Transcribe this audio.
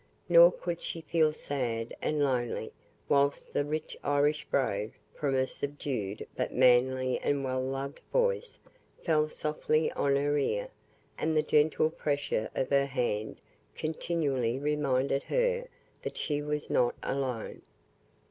Nor could she feel sad and lonely whilst the rich Irish brogue, from a subdued but manly and well loved voice, fell softly on her ear, and the gentle pressure of her hand continually reminded her that she was not alone.